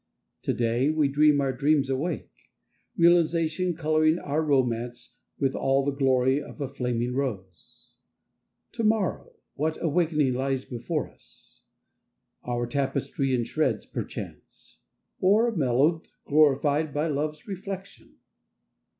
Today— We. dream our dream awake; Realization, Coloring our Romance With all the glory Of a flaming Rose. TomorroTv — What awakening lies before us Our tapestry In shreds perchance, Or mellowed — glorified By love's reflection?